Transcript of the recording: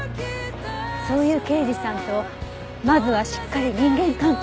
そういう刑事さんとまずはしっかり人間関係を作る。